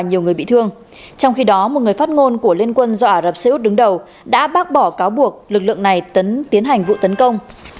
nhiều người bị thương trong khi đó một người phát ngôn của liên quân do ả rập xê út đứng đầu đã bác bỏ cáo buộc lực lượng này tiến hành vụ tấn công